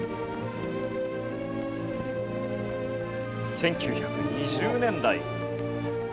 １９２０年代。